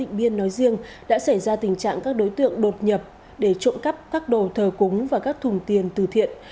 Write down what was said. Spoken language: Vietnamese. trước khi gây ra tình trạng các đối tượng đột nhập để trụng cấp các đồ thờ cúng và các thùng tiền từ thiện